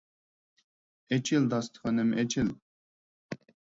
ئېچىل داستىخىنىم ئېچىل!